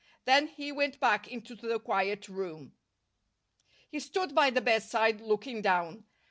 Then he went back into the quiet room. He stood by the bedside, looking down.